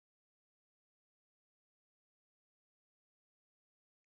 زه حساب کوم